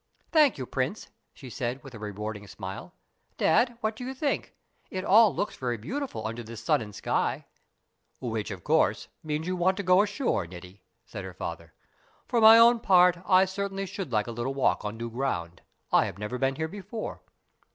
"Thank you, Prince," she said with a rewarding smile. "Dad, what do you think? It all looks very beautiful under this sun and sky." "Which, of course, means that you want to go ashore, Niti," said her father. "For my own part, I certainly should like a little walk on new ground. I have never been here before."